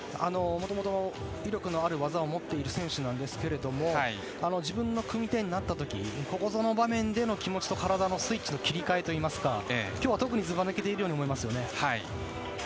もともと威力のある技を持っている選手なんですけど自分の組み手になった時にここぞの場面での気持ちと体のスイッチの切り替えといいますか今日は特にずば抜けているように思います。